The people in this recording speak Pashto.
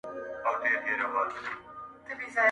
که کله د ګاز بوی احساس کړئ